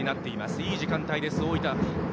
いい時間帯です、大分。